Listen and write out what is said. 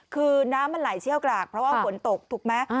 คือน้ำมันไหลเชี่ยวกรากเพราะว่าฝนตกถูกไหม